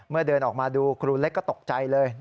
เดินออกมาดูครูเล็กก็ตกใจเลย